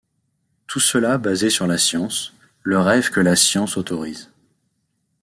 Tout cela basé sur la science, le rêve que la science autorise.